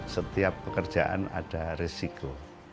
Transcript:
setiap pekerjaan ada risiko